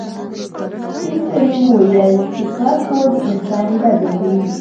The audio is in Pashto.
سپین سرې وویل چې کار کول د انسان عزت زیاتوي.